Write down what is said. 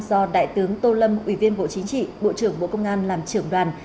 do đại tướng tô lâm ủy viên bộ chính trị bộ trưởng bộ công an làm trưởng đoàn